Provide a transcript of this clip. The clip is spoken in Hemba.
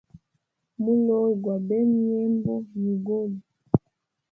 Mulowe gwa bena nyembo yugoli.